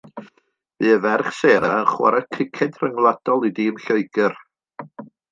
Bu ei ferch Sarah yn chwarae criced rhyngwladol i dîm Lloegr.